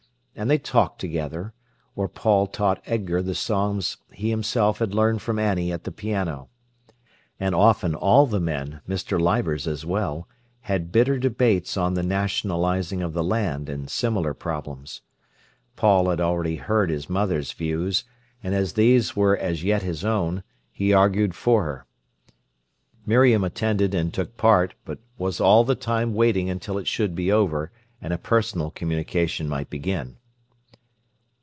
And they talked together, or Paul taught Edgar the songs he himself had learned from Annie at the piano. And often all the men, Mr. Leivers as well, had bitter debates on the nationalizing of the land and similar problems. Paul had already heard his mother's views, and as these were as yet his own, he argued for her. Miriam attended and took part, but was all the time waiting until it should be over and a personal communication might begin.